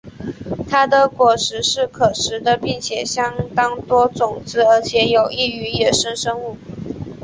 它的果实是可食的并且相当多种子而且有益于野生生物。